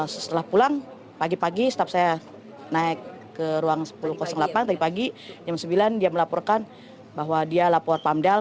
setelah pulang pagi pagi staff saya naik ke ruang sepuluh delapan tadi pagi jam sembilan dia melaporkan bahwa dia lapor pamdal